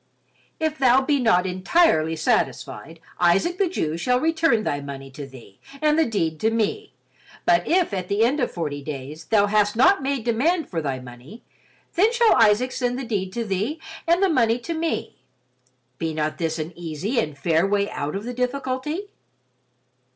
If thou be not entirely satisfied, Isaac the Jew shall return thy money to thee and the deed to me, but if at the end of forty days thou hast not made demand for thy money, then shall Isaac send the deed to thee and the money to me. Be not this an easy and fair way out of the difficulty?"